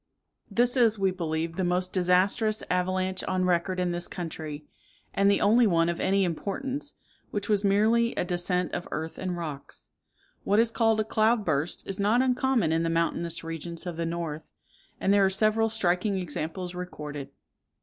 This is, we believe, the most disastrous avalanche on record in this country, and the only one of any importance, which was merely a descent of earth and rocks. What is called a cloud burst is not uncommon in the mountainous regions of the north; and there are several striking examples recorded.